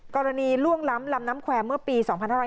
ล่วงล้ำลำน้ำแควร์เมื่อปี๒๕๕๙